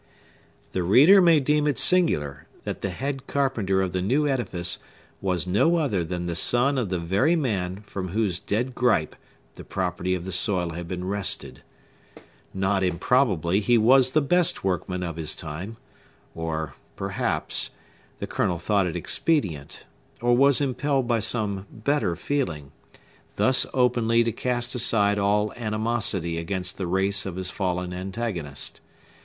The reader may deem it singular that the head carpenter of the new edifice was no other than the son of the very man from whose dead gripe the property of the soil had been wrested. Not improbably he was the best workman of his time; or, perhaps, the Colonel thought it expedient, or was impelled by some better feeling, thus openly to cast aside all animosity against the race of his fallen antagonist.